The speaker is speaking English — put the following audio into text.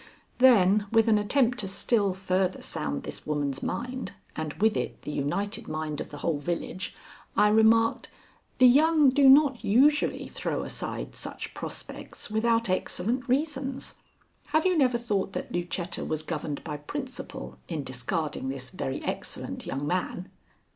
Then, with an attempt to still further sound this woman's mind and with it the united mind of the whole village, I remarked: "The young do not usually throw aside such prospects without excellent reasons. Have you never thought that Lucetta was governed by principle in discarding this very excellent young man?"